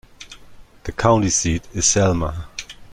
The county seat is Selma.